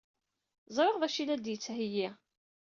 Ẓriɣ d acu ay la d-yettheyyi.